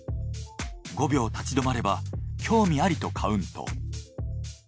５秒立ち止まれば興味ありとカウント。